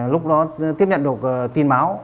lúc đó tiếp nhận được tin báo